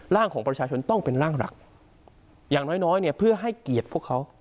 ร่างของประชาชนต้องเป็นร่างหลักอย่างน้อยน้อยเนี่ยเพื่อให้เกียรติพวกเขา